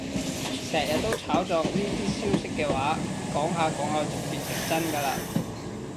成日都炒作呢啲消息嘅話，講下講下就變成真㗎喇